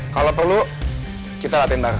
kalo perlu kita latihan berat